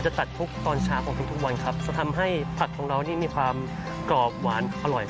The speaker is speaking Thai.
ตัดทุกตอนเช้าของทุกวันครับจะทำให้ผักของเรานี่มีความกรอบหวานอร่อย